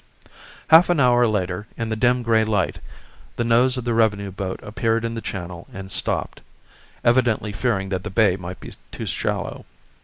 Half an hour later in the dim gray light the nose of the revenue boat appeared in the channel and stopped, evidently fearing that the bay might be too shallow.